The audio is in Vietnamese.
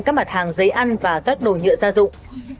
các mặt hàng giấy ăn và các đồ nhựa gia dụng